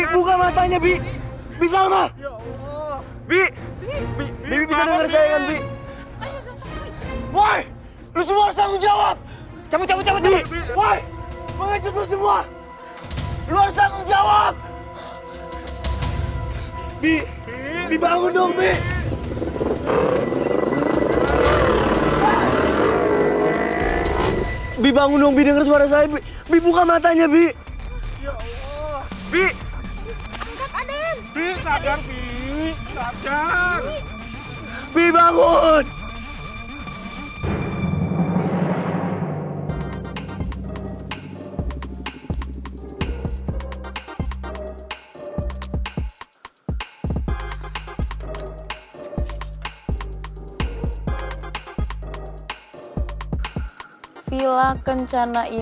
bukan yang dikilang sama reva